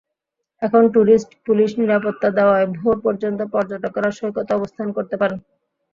এখন tourist police নিরাপত্তা দেওয়ায় ভোর পর্যন্ত পর্যটকেরা সৈকতে অবস্থান করতে পারেন।